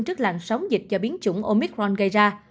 trước làn sóng dịch do biến chủng omicron gây ra